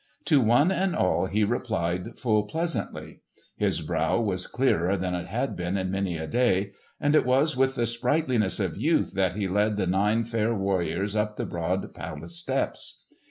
To one and all he replied full pleasantly. His brow was clearer than it had been in many a day; and it was with the sprightliness of youth that he led the nine fair warriors up the broad palace steps.